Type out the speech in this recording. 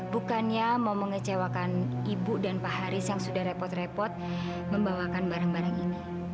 bukannya mau mengecewakan ibu dan pak haris yang sudah repot repot membawakan barang barang ini